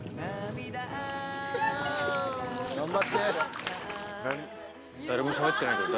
頑張って。